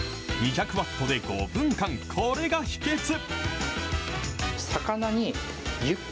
２００ワットで５分間、これが秘けつ。